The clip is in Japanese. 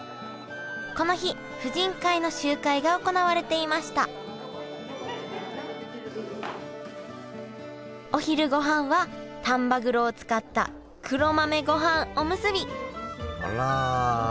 この日婦人会の集会が行われていましたお昼ごはんは丹波黒を使った黒豆ごはんおむすびあら。